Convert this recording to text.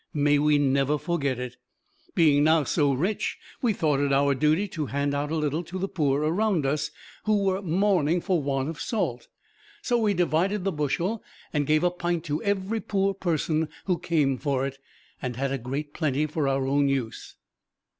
May we never forget it. Being now so rich, we thought it our duty to hand out a little to the poor around us, who were mourning for want of salt, so we divided the bushel and gave a pint to every poor person who came for it, and had a great plenty for our own use."